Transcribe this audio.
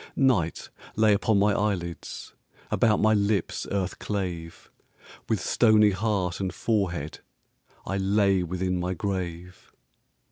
Night lay upon my eyelids, About my lips earth clave; With stony heart and forehead I lay within my grave.